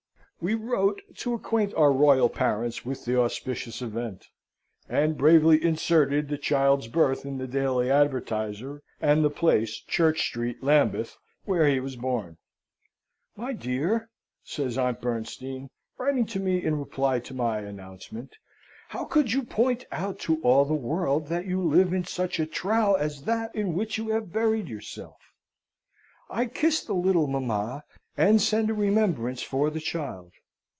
We wrote to acquaint our royal parents with the auspicious event, and bravely inserted the child's birth in the Daily Advertiser, and the place, Church Street, Lambeth, where he was born. "My dear," says Aunt Bernstein, writing to me in reply to my announcement, "how could you point out to all the world that you live in such a trou as that in which you have buried yourself? I kiss the little mamma, and send a remembrance for the child."